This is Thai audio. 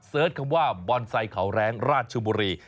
เสิร์ชคำว่าบอนไซด์เขาแรงราชบุรี